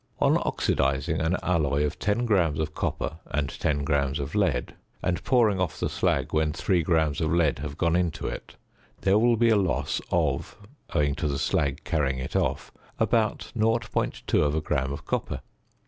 On oxidising an alloy of 10 grams of copper and 10 grams of lead, and pouring off the slag when 3 grams of lead have gone into it, there will be a loss of (owing to the slag carrying it off) about 0.2 gram of copper.